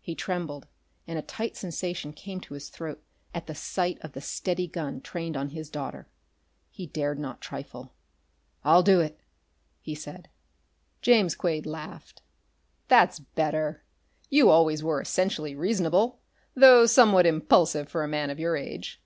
He trembled, and a tight sensation came to his throat at sight of the steady gun trained on his daughter. He dared not trifle. "I'll do it," he said. James Quade laughed. "That's better. You always were essentially reasonable, though somewhat impulsive for a man of your age.